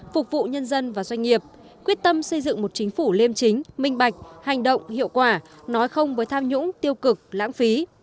phục vụ nhân dân và doanh nghiệp quyết tâm xây dựng một chính phủ liêm chính minh bạch hành động hiệu quả nói không với tham nhũng tiêu cực lãng phí